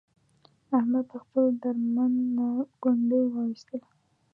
احمد له خپل درمند نه ګونډی و ایستلا.